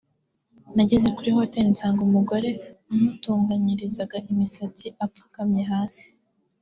“Nageze kuri Hoteli nsanga umugore wamutunganyirizaga imisatsi apfukamye hasi